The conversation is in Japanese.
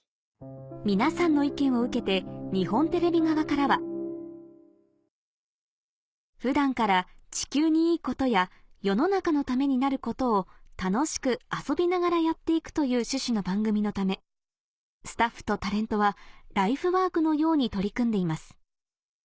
皆さんの意見を受けて日本テレビ側からは「普段から地球にいいことや世の中のためになることを楽しく遊びながらやって行くという趣旨の番組のためスタッフとタレントはライフワークのように取り組んでいます。